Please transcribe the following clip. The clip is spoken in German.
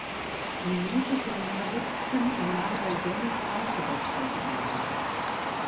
Minute für den verletzten Emmanuel Dennis eingewechselt wurde.